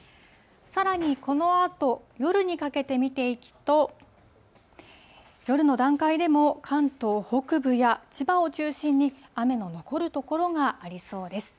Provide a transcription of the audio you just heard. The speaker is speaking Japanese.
さらにこのあと夜にかけて見ていくと、夜の段階でも関東北部や千葉を中心に、雨の残る所がありそうです。